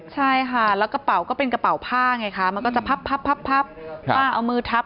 ใช่ค่ะแล้วกระเป๋าก็เป็นกระเป๋าผ้าไงคะมันก็จะพับผ้าเอามือทับ